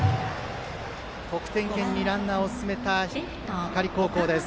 得点圏にランナーを進めた光高校。